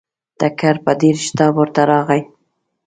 ټکر په ډېر شتاب ورته راغی.